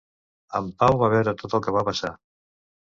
En Pau va veure tot el que va passar.